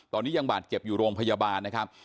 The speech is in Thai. ตอนนี้ยังบาดเจ็บอยู่โรงพยาบาลนะครับ